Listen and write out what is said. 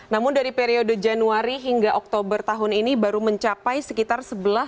namun dari periode januari hingga oktober tahun ini baru mencapai sekitar sebelas